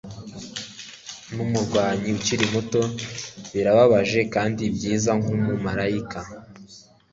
numurwanyi ukiri muto birababaje kandi byiza nkumumarayika